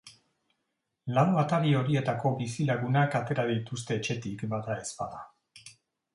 Lau atari horietako bizilagunak atera dituzte etxetik, badaezpada.